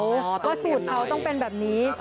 ว่าสูตรเขาต้องเป็นแบบนี้